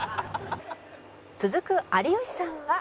「続く有吉さんは」